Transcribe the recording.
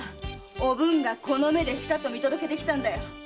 おぶんがこの目でしかと見届けてきたんだ。